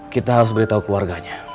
kita harus beritahu keluarganya